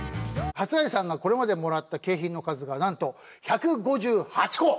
初谷さんがこれまでもらった景品の数がなんと１５８個！